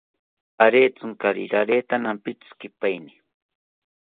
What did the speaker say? Arentzinkari rareta nampitzikipaeni